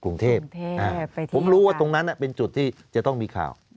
กรุงเทพฯไปที่กรุงเทพฯผมรู้ว่าตรงนั้นเป็นจุดที่จะต้องมีข่าว